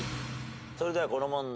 それではこの問題